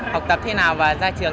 học tập thế nào và ra trường